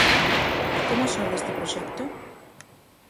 Como xorde este proxecto?